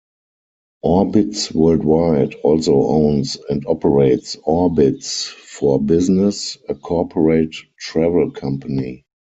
Orbitz Worldwide also owns and operates Orbitz for Business, a corporate travel company.